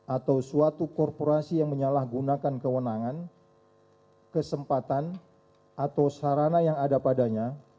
atau suatu korporasi yang menyalahgunakan kewenangan kesempatan atau sarana yang ada padanya